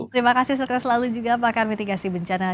terima kasih sukses selalu juga pakar mitigasi bencana